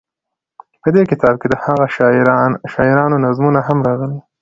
په دې کتاب کې دهغه شاعرانو نظمونه هم راغلي.